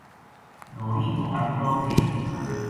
گھوڑی کو انٹڑو ک